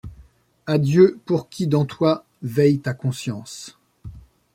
À Dieu, pour qui dans toi veille ta conscience.